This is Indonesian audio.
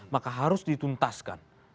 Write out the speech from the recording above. maka harus dituntaskan